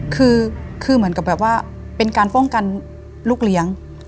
คือเหมือนกับเป็นการฟ่องกันลูกเลี้ยง